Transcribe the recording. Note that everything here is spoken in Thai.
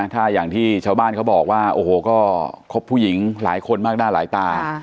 ถ้าอย่างที่ชาวบ้านเขาบอกว่าโอ้โหก็คบผู้หญิงหลายคนมากหน้าหลายตา